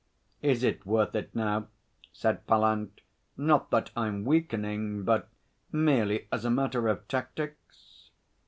'Is it worth it now?' said Pallant. 'Not that I'm weakening, but merely as a matter of tactics?'